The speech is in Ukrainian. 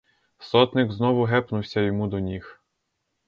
Сотник знову гепнувся йому до ніг.